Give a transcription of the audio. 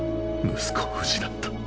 息子を失った。